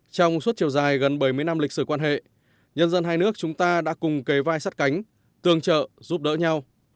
trong suốt chiều dài gần bảy mươi năm lịch sử quan hệ nhân dân hai nước chúng ta đã cùng kề vai sắt cánh tương trợ giúp đỡ nhau